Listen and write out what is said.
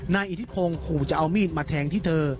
นายอิทธิพงศ์ขู่จะเอามีดมาแทงที่เธอ